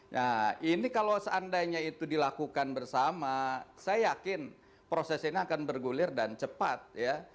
nah ini kalau seandainya itu dilakukan bersama saya yakin proses ini akan bergulir dan cepat ya